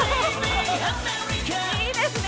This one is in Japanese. いいですね。